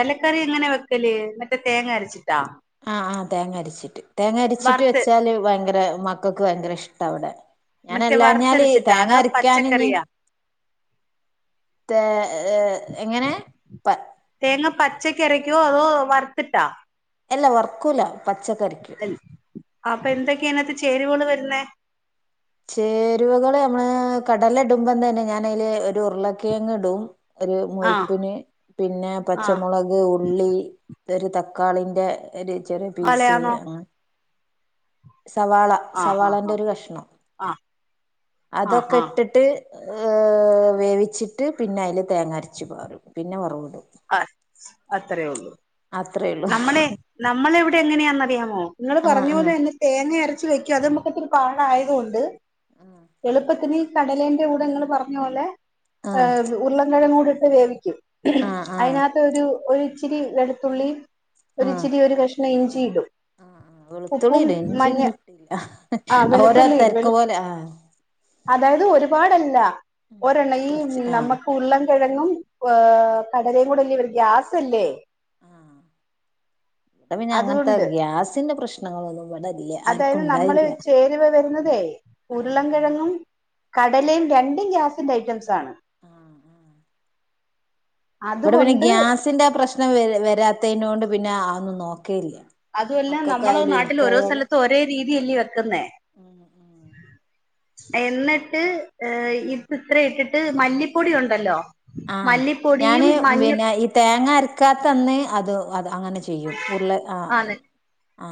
കടലക്കറിയെങ്ങന വെക്കല് മറ്റേ തേങ്ങ അരച്ചി ആ ആ തേങ്ങരിച്ചിട്ട് തേങ്ങരിച്ചിട്ട് വറുത്ത് വെച്ചാല് ഭയങ്കര മക്കക്ക് ഭയങ്കര ഇഷ്ടവിടെ. മറ്റേ ഞാനല്ലാഞ്ഞാല് വറുത്തരച്ചിട്ടാ അതോ തേങ്ങരക്കാനിഞ്ഞ് പച്ചക്കറിയാ തെ ഏ എങ്ങനെ പ പച്ചയ്ക്കരയ്ക്കുവോ അതോ വറുത്തിട്ടാ അല്ല വറക്കൂല പച്ചക്കരക്കും അപ്പന്തെക്കെയതിനകത്ത് ചേരുവോള് വരുന്നേ ചേരുവകള് നമ്മള് കടലയിടുമ്പോത്തന്നെ ഞാനതില് ഒരു ഉരുളകിഴങ്ങയിടും. ഒരു ആഹ് മുഴുപ്പിന് പിന്നെ ആഹ് പച്ചമൊളക് ഉള്ളി ഒരു തക്കാളിൻ്റെ ഒര് ചെറിയ പീസ് വലയാന്നോ സവാള ആഹ് സവാളന്റെ ആഹ് ഒരു കഷ്ണം ആഹ് ആഹ് ആഹ് അതൊക്കെ ഇട്ടിട്ട് ഏഹ് വേവിച്ചിട്ട് പിന്നെ അതിൽ തേങ്ങ അരച്ച് പാറും പിന്നെ വറവിടും അ അത്രേ ഉള്ളു അത്രേ ഉള്ളൂ നമ്മളെ നമ്മളെവിടെ എങ്ങനെയാെന്നറിയാമോ നിങ്ങൾ ആഹ് പറഞ്ഞ പോലെ തന്നെ തേങ്ങായര ച്ച് വെക്കും അത് നമക്ക്ത്തി പാട് ആയതുകൊണ്ട് ആഹ് എളുപത്തിന് കടലേന്റെ കൂടെ ങ്ങള് പറഞ്ഞ പോലെ ഏ ആഹ് ഉരുളകെഴങ്ങൂടി ട്ട് വേവിക്കും ആഹ് ആഹ് ആഹ് അയ്നത്തൊരു ഒരിച്ചിരി വെളുത്തുള്ളി ആഹ് ഒരുച്ചിരി ഒരു കഷ പിന്നെ ഇഞ്ചിടും വെളുത്തുള്ളി ഇടും ഇഞ്ചിന്നിട്ടില്ല ആ ഓരോ വെളുത്തുള്ളി ഇടും തെരക്ക് വെളു പോലെ ആ അതായത് ഒരുപാടല്ല ഒരെണ്ണം ഈ കൊറച്ച് ആഹ് നമ്മക്ക് ഉരുളക്കിഴങ്ങും ഓ കടലയും കൂടെ [unintelligible] ഗ്യാസല്ലേ ആഹ് ഇവിടെ പിന്നെ അങ്ങനത്തെ അതുകൊണ്ട് ഗ്യാസിന്റെ പ്രശ്നങ്ങളൊന്നും ഇവിടെ ഇല്ല ആർക്കും അതായത് നമ്മള് ഉണ്ടായില്ല ചേരുവ വരുന്നതേ ആഹ് ഉരുളകിഴങ്ങും ആഹ് കടലേം രണ്ടും ഗ്യാസിന്റെ ഐറ്റംസാണ് ആഹ് ആഹ് ഇവിടെ പിന്നെ അതുകൊണ്ട് ഗ്യാസിന്റെ ആ പ്രശ്ന നം വ വരാത്തതിനോട് പിന്നെ അഅ് ന്നും നോ അതു അല്ല നമ്മള് നാട്ടിൽ ഓരോ എനിക്കായാലും സ്ഥലത്തും ഒരേ രീ തിയല്യോ ക്ക്ന്നേ ഉം ഉം എന്നിട്ട് ഇത് ഇത്ര ഇട്ടിട്ട് മല്ലിപ്പൊടി ഉണ്ടല്ലോ ആ മല്ലിപ്പൊടിയും ഞാന് മഞ്ഞ പിന്നെ ഈ തേങ്ങ അരക്കാത്തന്ന് അതൊ അത് അങ്ങനെ ചെയ്യും ഉരുള ആ ആണ് ആ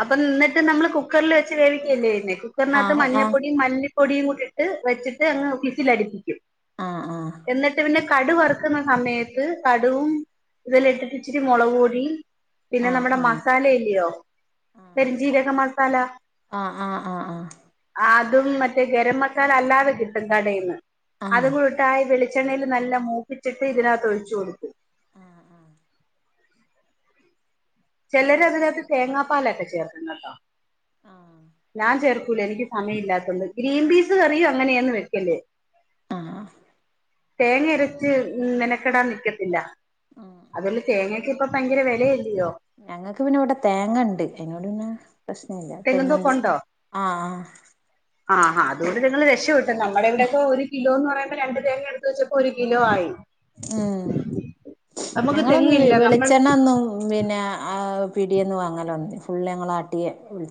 അപ്പൊ നിന്നിട്ട് നമ്മള് കുക്കറിൽ വെച്ച് വേവിക്കല്ലേ ചെയ്യുന്നേ കുക്കറിനകത്ത് ആഹ് ആഹ് മഞ്ഞപ്പൊടിയും മല്ലി പൊടിയും കൂടി ട്ട് വെച്ചിട്ട് അങ്ങ് ഫിസിലടിപ്പിക്കും ആഹ് ആഹ് എന്നിട്ട് പിന്നെ കടു വറക്ക്ന്ന സമയത്ത് കടുകും ഇതെല്ലാം ഇട്ടിട്ട് ഇച്ചിരി മുളക്പൊടിം പിന്നെ ആഹ് നമ്മുടെ ആഹ് മസാല ഇല്യോ പെരും ജീരകം മസാല ആ ആ ആ ആ അതും മറ്റേ ഖരം മസാല അല്ലാതെ കിട്ടും കടേന്ന് ആഹ് അതുംകൂടെയിട്ടായി വെളി വെളിച്ചെണ്ണയിൽ നല്ല മൂപ്പിച്ചിട്ട് ഇതിനകത്ത് ഒഴിച്ചു കൊടുക്കും. ചിലര് അതിനകത്ത് തേങ്ങാപ്പാലൊക്കെ ചേർക്കും കേട്ടോ. ആഹ് ഞാൻ ചേർ ക്കൂല എനിക്ക് സമയം ഇല്ലാത്തോണ്ട് ഗ്രീൻ പീസ് കറിയും അങ്ങനെയാന്ന് വെക്കല് ആഹ് ആഹ് തേങ്ങ അരച്ച് മെനക്കെടാൻ നിക്കത്തില്ല ആഹ് അതെല്ല തേങ്ങക്ക് ഇപ്പം ഭയങ്കര വിലയല്ലിയോ ഞങ്ങൾക്ക് പിന്നെ ഇവിടെ തേങ്ങ ഉണ്ട് അതുകൊണ്ട് പിന്നെ. പ്രശ്ന ഇല്ല തേങ്ങുണ്ട് തെങ്ങുന്തോപ്പുണ്ടോ ആഹ് ആഹ് ആഹ് അതുകൊണ്ട് നിങ്ങള് രക്ഷ പെട്ടു. നമ്മുടെ ഇവിടെയൊക്കെ ഒരു കിലോ എന്ന് പറയുമ്പോൾ രണ്ട് തേങ്ങ എടുത്ത് വെച്ചപ്പോ ഒരു കിലോ ആയി. ഉം നമുക്ക് ഞങ്ങളൊന്നും തെങ്ങില്ല നമ്മൾ വെളിച്ചെണ്ണ ഒന്നും മിന്നെ അത് പീടിയേന്ന് വാങ്ങലാണ് ഫുള്ള് ഞങ്ങൾ ആട്ടിയെ വെളി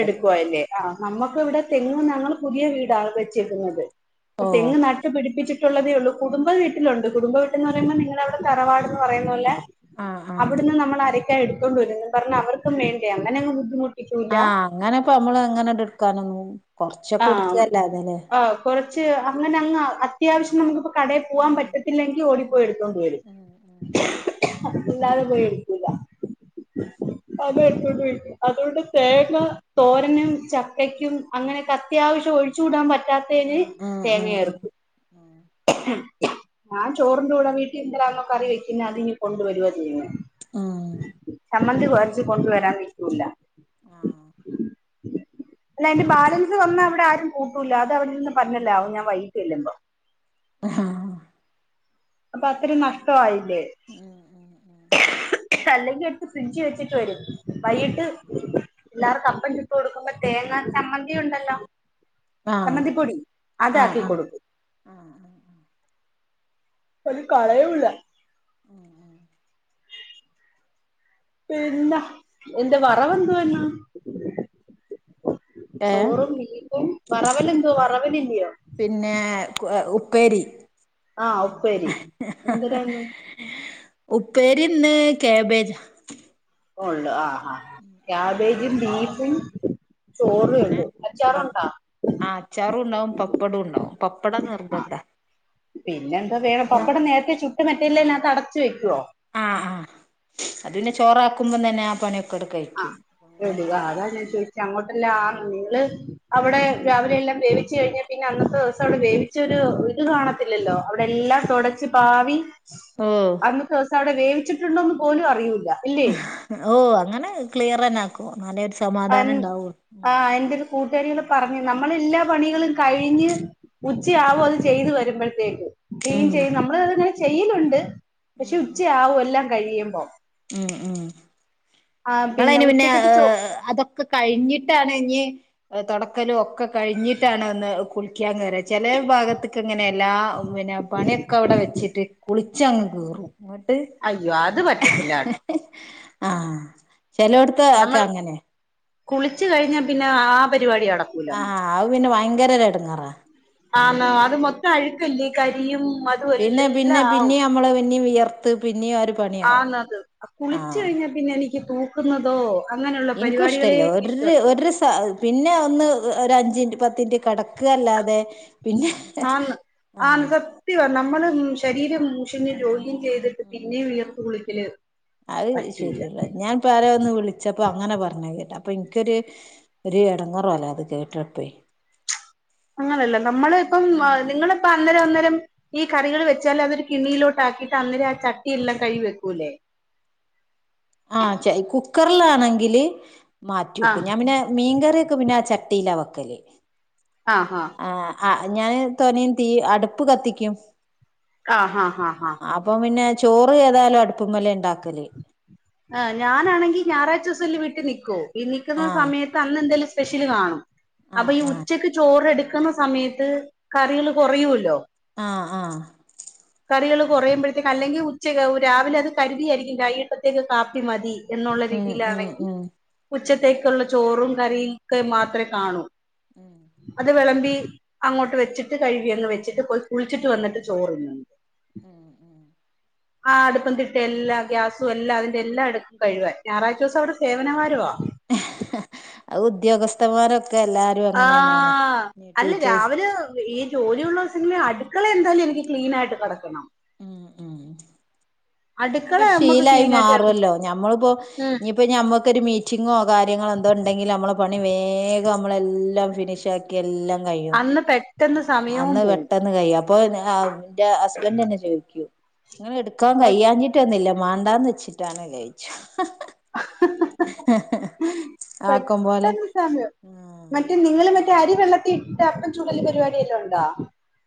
എടുക്കുവാല്ലേ ആ നമ്മക്ക് ഇവിടെ തെങ്ങ് ഞങ്ങൾ പുതിയ വീടാണ് വെച്ചേക്കുന്നത്. ഇപ്പ ഓഹ് തെങ്ങ് നട്ട് പിടിപ്പിച്ച് ട്ടുള്ളതേള്ളു കുടുംബ വീട്ടിലുണ്ട് കുടുംബ വീട്ടന്ന് പറയുമ്പോ നിങ്ങളവിടെ തറവാട്ന്ന് പറയുന്ന പോലെ ആഹ് ആഹ് അവിടുന്ന് നമ്മൾ അര ക്കെ എടുത്തോണ്ട് വെരുംന്ന് പറഞ്ഞ അവർക്കും വേണ്ടെ അങ്ങെനങ്ങ് ബുദ്ധിമു കിട്ടൂല ങ്ങനെപ്പം നമ്മള് അങ്ങനെണ്ട് എട് ക്കാനൊന്നും ആ ആ കൊറച്ച് അങ്ങനങ്ങ് അ ത്യാവശ്യം നമുക്ക് ഇപ്പം കടയിൽ പോവാൻ ഉം പറ്റത്തില്ലെങ്കിൽ ഓടി പോയ് എടുത്തോണ്ട് വരും. ഉം ഉം ഇല്ലാതെ പോയി എടുക്കൂല അത് എടുത്തോണ്ട് പോയി അതോണ്ട് തേങ്ങ തോരനും ചക്കക്കും അങ്ങനെ അത്യാവശ്യം ഒഴിച്ചു കൂടാൻ പറ്റാ പറ്റാത്തേന് ഉം ഉം ഉം തേങ്ങയരക്കും. ഞാൻ ചോറിന്റെ കൂടെ വീട്ടിൽ എന്തിലാണോ കറി വെക്ക്ന്നെ അത് ഇങ്ങ് കൊണ്ട് വെരുവാ ചെയ്യുന്നെ ഉം ഉം ഉം മ്മന്തി കുറച്ച് കൊണ്ടുവരാൻനിക്കൂല ഉം അല്ല അതിന്റെ ബാലൻ സ് വന്ന അവിടെ ആരും കൂട്ടൂല അത് അവിടെ നിന്ന് പന്നാലാവും ഞൻ വൈകിട്ട് ചെല്ലുമ്പോ. ഹ് ആഹ് ആഹ് അപ്പൊഅത്തിരിം നഷ്ടമായി അതെ ഉം ഉം ഉം അല്ലങ്കിലെടുത്ത് ഫ്രിഡ്ജ് വെച്ചിട്ട് വരും ഉം വൈകിട്ട് എല്ലാർക്കും അപ്പം ചുട്ടു കൊടുക്കുമ്പോ തേങ്ങാ ചമ്മന്തി ഉണ്ടല്ലോ ആഹ് ചമ്മന്തിപ്പൊടി ആഹ് ആഹ് അതാക്കിക്കൊടുക്കും ഓര് കളയൂല്ല [unintelligible] പിന്നെ എന്താ വറവെന്തുവാ ഇന്ന് ഏഹ് ചോറും ബീഫും വറവല് എന്തുവാ വറവൽഇല്യോ യോ പിന്നെ ഉപ്പേരി ആ ഉപ്പേരി എന്തോരായിന്നു ഉപ്പേരി ഇന്ന് കാബേജാ ഒള്ളു ആ ഉം ഉം ക്യാബേജും ബീഫും ചോറേ പിന്നെ ഉള്ളൂ അച്ചാറുണ്ടോ ആ അച്ചാറും ഉണ്ടാവും പപ്പടം ഉണ്ടാവും. പപ്പടം നിർബന്ധമാ പിന്നെ എന്താ വേറെ പപ്പടം നേരത്തെ ചുട്ടും മറ്റേല്ലതിനകത്ത് അടച്ചു വെക്കുവോ? ആഹ് ആ അത് പിന്നെ ചോറാക്കുമ്പോം തന്നെ ആ പണിയൊക്കെ- അങ്ങട് ആഹ കഴിക്കും പിന്നെ ഇടുക അതാ ഞാൻ ചോദി- അങ്ങോട്ടല്ലാം ആണ് നിങ്ങള് അവിടെ രാവിലെ എല്ലാം വേവിച്ചു കഴിഞ്ഞാ പിന്നെ അന്നത്തെ ദിവസം അവിടെ വേവിച്ചരു ഇത് കാണത്തില്ലല്ലോ അവിടെ എല്ലാം തൊടച്ച് പാവി- ഓ അന്നൊത്തെ ദിവസം അവിടെ വേ- വിച്ചിട്ടുണ്ടന്ന് പോലും അറിയൂല്ല ഇല്ലേ ഓ അങ്ങനെ ക്ലിയർനാക്കും അന്നാലെ ഒരു ആ സമാധാനം എന്റ ഉണ്ടാവുള്ളൂ എന്റെരു കൂട്ടുകാരികള് പറഞ്ഞ- അനമ്മള് എല്ലാ പണികളും കഴിഞ്ഞ് ഉച്ചയാവും അത് ചെയ്ത് വരുമ്പോഴത്തേക്കും ചെയ്യും ഉം ചെയ്യും നമ്മള് അതിനെ ചെയ്യലുണ്ട് പക്ഷെ ഉം ഉം ഉച്ചയാവും എല്ലാം- കഴിയുമ്പോ ഉം ഉം ആഹ് ഞങ്ങളതിന് പിന്നെ ഉച്ചക്കത്തെ ചോ അതൊ- കഴിഞ്ഞിട്ടാണ് ഇനി തൊടക്കലും കഴിഞ്ഞിട്ടാണ് ഒന്ന് കുളിക്കാൻ കേറുക ചെല ഭാഗത്ത് തെ- ഇങ്ങനെ എല്ലാ പിന്നെ പണിയൊക്കെ അവിടെ വെച്ചിട്ട് കുളി- ചെങ്ങന്നൂർ അയ്യോ അത് പറ്റത്തില്ല ല്ലാട്ടോ ആഹ് ചെലോടുത്ത് ഒക്കെ അങ്ങനെയാണ് കുളിച്ചു കഴിഞ്ഞ പിന്നെ ആ പരിപാടിയാണ് ആ ആ അപിന്നെ വയ ങ്കരഒരട്ങേറാ ആണോ അത് മൊത്തം അഴുക്കല്ലേ കരിയും അതും പിന്നെ എല്ലാം പിന്നെ പിന്നെ നമ്മള് പിന്ന വിയർ ത്ത് പി ആന്ന് അത് കുളിച്ച കഴിഞ്ഞ പിന്നെ എനിക്ക്. തൂക്കുന്നതോ അങ്ങനെയുള്ള ഇൻക്കും പരിപാടികളെ ഇഷ്ടല്ല ഒര് എനിക്കിഷ്ടല്ല ഒര് സ പിന്നെ ഒന്ന് ഓരഞ്ച് ൻറ്റ് പ ത്തിന്റ്റ് കിടക്കല്ലാതെ ആന്ന് ആന്ന് സത്യ നമ്മള് ശരീരം മുഷിഞ്ഞ് ചെയ്തിട്ട് ഉം പിന്നെ വിയർത്തു കുളി ല് പി - അത് ശരിയല്ലാ ഞാൻ ഇപ്പൊ ആരെ ഒന്ന് വിളിച്ച പ്പൊ അങ്ങനെ പറഞ്ഞ കേട്ട് അപ്പൊ ഇനിക്കൊരു ഒരു എടങ്ങേറ് പോലെ അത് കേട്ടപ്പോ. അങ്ങനെയല്ല നമ്മള ഇപ്പം നിങ്ങളിപ്പം അ ന്നേരം അന്നരം ഈ കറികൾ വെച്ചാൽ അതൊരു കിണ്ണിയിലോട്ട് ആക്കിട്ട് അന്നേരം ആ ചട്ടിയെല്ലാം കഴികി വെക്കൂല്ലേ ആ ച കു ക്കർലാണെങ്കില് മാറ്റി ആഹ് വെക്കും ഞാൻ പിന്നെ മീൻകറി ഒക്കെ പിന്നാ ചട്ടിയില വക്കല് ആ ഹാ ആ ഞാന് തോനീ തീ അടുപ്പ് കത്തിക്കും ആ ഹാ ഹാ ഹാ ഹാ അപ്പൊ ഹാ പിന്നെ ചോറ് ഏതായാലും അടുപ്പുമലെണ്ടാക ആ ഞാനാണെങ്കിൽ ഞായറാഴ്ച്ചസം ലിവി ത്തി നിക്കോ ഈ നിക്കുന്ന ആ സമയത്ത് അന്ന് എന്തേലും സ്പെഷ്യൽ കാണും ആ അപ്പം ഈ ആ ഉച്ചയ്ക്ക് ചോറ്ടുക്ക ക്കുന്ന സമയത്ത് കറികൾ കുറയോലോ. ആ ആ കറികൾ കുറയുമ്പോഴത്തേക്കും അല്ലെങ്കിൽ ഉച്ചയുയൊക്കെ രാവിലെ അത് കരുതിയിരിക്കും വൈകിട്ടല്തേക്ക് കാപ്പി മതി എന്നുള്ള ഉം ഉം രീതിയിലാണെങ്കിൽ ഉം ഉം ഉച്ചത്തേക്കുള്ള ചോറും- കറിക്ക് മാത്രമേ കാണൂ ഉം അത് വിളമ്പി - അങ്ങോട്ട് വെച്ചിട്ട് കഴുകിയ വെച്ചിട്ട് പോയി കുളിച്ചിട്ട് വന്നിട്ട് ചോറുന്ന് [inaudible] ആ അടുപ്പം തിട്ട എല്ലാ ഗ്യാസ്- എല്ല അതിന്റെ എല്ലാം എടുക്കും കഴുകാൻ ഞായറാഴ്ച ദിവസം അവിടെ സേവനവാരവാ ആഹ് ഉദ്യോഗസ്ഥമാരൊക്കെ - ആ അല്ല ടീച്ചേഴ്സ് രാവിലെ ഈ ജോലിയുള്ള ദിസങ്ങളിലെ അടു- അടുക്കള എന്തായാലും എനിക്ക് ക്ലീനായിട്ട് കടക്കണം ഉം ഉം [inaudible] അങ്ങനെ അടുക്കള ഒരു നമ്മക്ക് ശീലായി ക്ലീൻ ആയിട്ട് കിട മാറേല്ലോ നമ്മളിപ്പോ ഉം ഇഞ്ഞിയിപ്പോ ഞമ്മക്കൊരു മീറ്റിങ്ങോ കാര്യങ്ങളോ എന്തോ ഉണ്ടെങ്കിലും നമ്മള പണി വേഗം നമ്മളെല്ലാം ഫിനിഷ് ആക്കി എല്ലാം- കഴിയും അന്ന് ആ പെട്ടെന്ന് സമയവും അന്ന് പോവും പെട്ടെന്ന് കഴും അപ്പൊ എന്റെ ഹസ്ബൻറ് എന്നന്നെ ചോദിക്കു- നിങ്ങൾ എടുക്കാൻ പെ കഴ്യാൻ കില്ല [unintelligible] വേണ്ടാന്ന് വെച്ചിട്ടാണ് കഴിച്ചത് ഹഹഹ ആക്കം പോലെ പെട്ടെന്ന് സാമ്യോ [unintelligible] മറ്റേ നിങ്ങൾ മറ്റ അരി വെള്ളത്തി ഇട്ട അപ്പം ചൂടല് പരിപാടി വലോ ഉണ്ടോ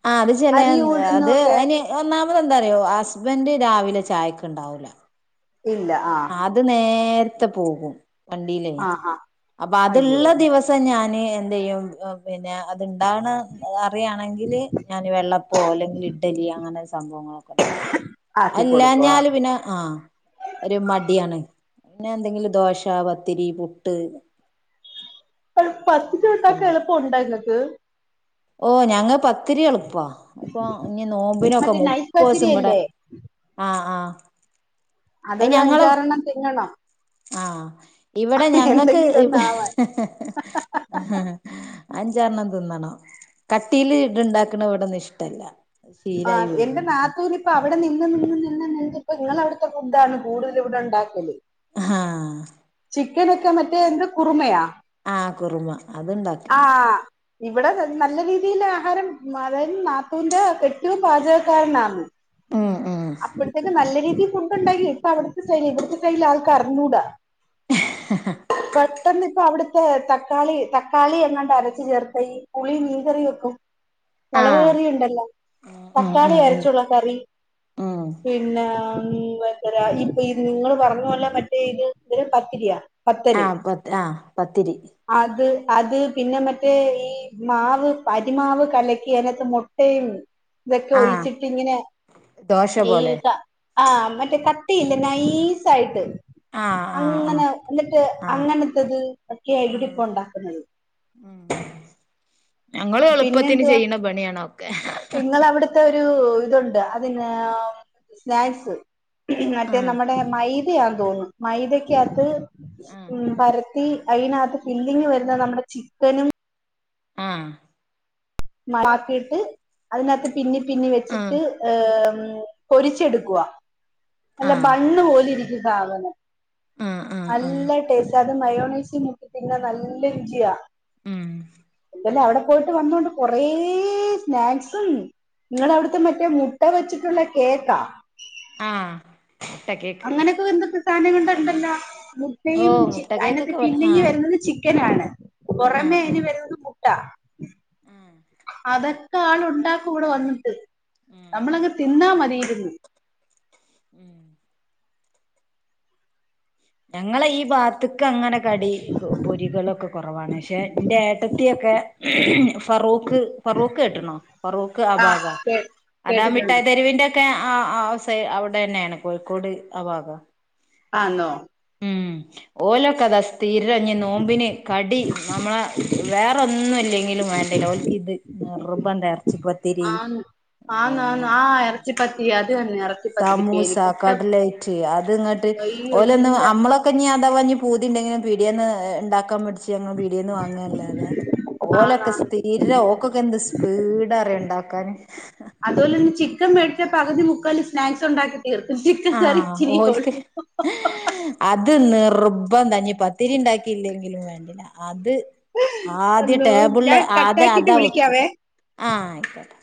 ആ അത് ചെല അരി ഉഴുന്നും അത് ഒക്കെ അയിന് ഒന്നാ നമ്മെന്താറിയോ [unintelligible] ഹസ്ബൻഡ് രാവിലെ ചായക്ക് ഇണ്ടാവൂല ഇല്ല ആഹ് അത് നേര നേരത്തെ പോകും വണ്ടില്ലേ ആഹ് ആഹ് അപ്പൊ അയ്യോ അത്ഇള്ള ദിവസം ഞാന്- എന്ത്യ്യും പിന്നെ അത് ഇണ്ടണ പറയാണെങ്കിൽ ഞാൻ വെള്ളപ്പോ അല്ലെങ്കിൽ ഇഡലി അങ്ങനെ സംഭവങ്ങളൊക്കെ ഉണ്ടാക്കും ആക്കി കൊടുക്കും ആഹ് അല്ലാഞ്ഞൽ പിന്നെ ആ- മടിയാണ് പിന്നെ എന്തെങ്കിലും ദോശ, പത്തിരി, പുട്ട് പത്തിരി ഒക്കെ ഉണ്ടാകൻ ഉണ്ടാക്കും എളുപ്പം ഉണ്ടാക്കം ആഏ [unintelligible] ഓ ഞങ്ങൾക്ക് പത്തിരി എളുപ്പ ഇപ്പൊ ഇഞ് നോമ്പിനൊക്കെ മറ്റേ മുപ്പത് നൈസ് ദിവസം ഇവിടെ പത്തിരിയല്ലേ ആ ആഹ അതൊരു അഞ്ചാറെണ്ണം തിങ്ങണം ആഹ ഇവെടെ ഞങ്ങക്ക് എന്തെങ്കിലും ഒന്ന് ആവാൻ അഞ്ചാറണ്ണം തിന്നണം, കട്ടീല് ഇട്ണ്ടാക്കണ ഇവിടന്നും ഇഷ്ടല്ല. ആ ശീലായി എന്റെ പോയിന് നാത്തുന് ഇപ്പ അവടെ നിന്ന് നിന്ന് നിന്ന് നിന്ന് പ്പോ നിങ്ങളവിടുത്തെ ഫുഡാണ് കൂടുതൽ ഇവിടെ ഇണ്ടാക്കല്. ആഹാ ചിക്കൻ ഒക്കെ മറ്റേ എന്ത് കുറുമയാ ആ കുറുമ അത് ആ ഇണ്ടാക്കണ്ട്. ഇവിടെ നല് നല്ല രീതിയില് ആഹാരം അതായത് നാത്തൂന്റെ കെട് രു പാചകക്കാരനാന്ന്. ഉം ഉം അപ്പഴത്തൊക്കെ നല്ല രീ ഈ ഫുഡ് ഉണ്ടാക്കി ഇപ്പ അവിടുത്തെ ശൈലി ഇവിടുത്തെ ശൈലി ആൾക്കറിഞ്ഞൂടാ. പെട്ടെന്ന് ഇപ്പോ അവിട്ത് ത് തക്കാളി തക്കാളി എങ്ങാണ്ട് അരച്ച ചേർത്ത ഈ പുളി മീൻകറി വെക്കും. ആ മൊളക് കറിയുണ്ടല്ലോ. ഉം തക്കാളി ഉം ഉം അരച്ചുള്ള കറി ഉം പിന്നെ ആ [unintelligible] നിങ്ങള് പറഞ്ഞ പോലെ മറ്റേ ഇത് ഇ പത്തിരിയ ആ പത്ത് ആഹ് പത്തിരി അത് അത് പിന്നെ മറ്റേ ഈ മാവ് അരിമാവ് കലക്കി അതിനാത്ത് മൊട്ടയും ഇതൊക്കെ ആ ഒഴിച്ചിട്ട് ഇങ്ങനെ ദോശ ഈ പോലെ ക ആ മറ്റേ ക ട്ടിയിണ്ട് നൈസായിട്ട് ആ ആ ആ അങ്ങനെ എന്നിട്ട് ആ അങ്ങനത്തത് ഒക്കെയ ആ ഇവിടെ ഇപ്പോ ഒണ്ടാക്കുന്നത്. ഉം ഞങ്ങള് എളുപ്പത്തിന് ചെയ്യുന്ന പണിയാണോ. നിങ്ങളവിടുത്തെ ഒരു ഇതുണ്ട് അതിനാ സ്നാക്സ് ആ മറ്റേ നമ്മടെ മൈ ക്യാന്ന് തോന്നുന്നു മൈദയ്ക്കാത്ത് ആ മ് പര ത്തി അയിനാത്ത് ഫില്ലിങ് വരുന്ന നമ്മടെ ചിക്കനും ആ മാക്കിട്ട് അതിനാത്ത് പിന്നി പിന്നി ആ വെച്ചിട്ട് ഏ പൊരിച്ചെടുക്കുവാ. ആ അല്ല ബണ്ണ് പോലിരി ഭാവനം. ആ ആ നല്ല ടേസ്റ്റാണ് അത് മയോണേസി മുക്കി തിന്നാൻ നല്ല രുചിയ ഉം അല്ല അവിടെ പോയിട്ട് വന്നുകൊണ്ട് കൂറേ സ്നാക്സും നിങ്ങളവിടുത്തെ മറ്റേ മുട്ട വെച്ചിട്ടുള്ള കേക്കാ ആ മുട്ട കേക്ക് അങ്ങനെയൊക്കെ വെന്തൊക്ക് സാധനം കൊണ്ട് ഒണ്ടല്ലോ ഓ മുട്ടയും മുട്ട അതിനകത്ത് കേക്കൊക്കെ ഇവിടെ ആ പിന്നെങ്കി വരുന്നത് ചി കെനാണ് ആ പുറമെ ആ അയ്ന് [unintelligible] ട്ട ആ ഉം അതൊക്കെ ആൾ ഉണ്ടാക്കും ഇവിടെ വന്നിട്ട് നമ്മളങ്ങ് തിന്നാ മതി ഇരുന്ന് ഉം ഞങ്ങള് ഈ ഭാഗ അക്ക് അങ്ങനെ കടി പൊരികളൊക്കെ കുറവാണ് പക്ഷെ എന്റെ ഏട്ടത്തിയൊക്കെ ഫറൂക്ക് ഫറൂക്ക് കേട്ടക്ക്ണോ ഫറൂക്ക് ആഹ് ആഭാഗാ കേ അതാ കേട്ടിട്ടുണ്ട് മിഠായി തെരുവിന്റെ ഒക്കെ ആ ആ സൈ അവിടെ തന്നെയാണ് കോഴിക്കോട് ആ ഭാഗാ ആന്നോ ഉം ഓലൊക്കെ അതാ സ്ഥിരം ഇഞ്ഞി നോമ്പിന് കടി നമ്മളെ വേറൊന്നും ഇല്ലെങ്കിലും വേണ്ടില്ല ഓല്ക്ക് ഇത് നിർബന്ധാ ഇറച്ചിപ്പത്തിരി ആന്ന് പിന്നെ ആന്നാന്ന് ആ ഇറച്ചിപ്പത്തിരി അത് തന്നെ ഇറച്ചിപ്പത്തിരി സമൂസ പേര് മുട്ട കട്ലേറ്റ് അത് ഇങ്ങട്ട് അയ്യോ ഓലൊന്നും എല്ലാ അമ്മളൊക്കെ ഇഞ്ഞിയാ- ഥവാ പൂതി ഉണ്ടെങ്കിലും പിടിയേന്ന് ഇണ്ടാക്കാൻ മേട് ച്ച് പീടിയേന്ന് വാങ്ങയല്ലാതെ ഓലൊക്കെ ആന്നാന്ന് സ്ഥിരം ഓക്കൊക്കെന്ത് സ്പീഡാ അറിയൊ ഒണ്ടാക്കാന് അതുപോലെ തന്നെ ചിക്കൻ മേടിച്ച പകുതി മുക്കാല് സ്നാക്സ് ഒണ്ടാക്കി തീർക്കും ചിക്കൻ കറി ഇച്ചിരി ഓൽക്ക് ഒള്ളു ബന്ധാ ഇനി പത്തിരി ഇണ്ടാക്കിയില്ലെങ്കിലും വേണ്ടില്ല അത് ആദ്യം അള്ളോ ടേബിളിൽ ഞാൻ ആദ്യ കട്ടാക്കിട്ട് അതാ വെക്കാ വിളിക്കാവേ ആ ആയിക്കോട്ടെ